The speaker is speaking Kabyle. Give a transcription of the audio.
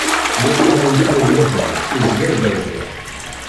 Bu tqamumt-nni n Muḥend izger-d ar da.